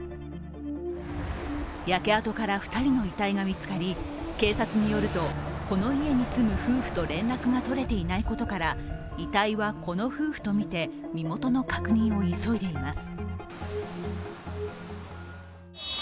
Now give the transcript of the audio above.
焼け跡から２人の遺体が見つかり、警察によると、この家に住む夫婦と連絡が取れていないことから遺体はこの夫婦とみて身元の確認を急いでいます。